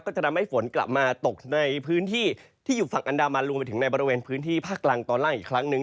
จะทำให้ฝนกลับมาตกในพื้นที่ที่อยู่ฝั่งอันดามันรวมไปถึงในบริเวณพื้นที่ภาคกลางตอนล่างอีกครั้งหนึ่ง